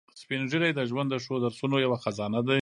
سپین ږیری د ژوند د ښو درسونو یو خزانه دي